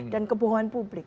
dan kebohongan publik